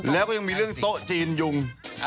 แล้วก็ยังมีเรื่องโต๊ะจีนยุง